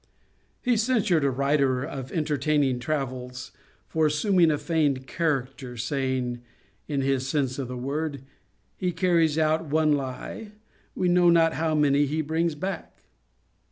He censured a writer of entertaining Travels for assuming a feigned character, saying, (in his sense of the word,) 'He carries out one lye; we know not how many he brings back.'